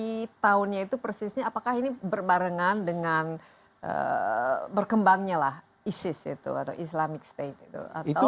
jadi tahunnya itu persisnya apakah ini berbarengan dengan berkembangnya lah isis itu atau islamic state itu